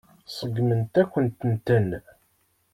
Seggment-akent-ten.